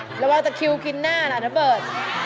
นี่เราเอาแต่คิวกินหน้าล่ะน้าเบิร์ต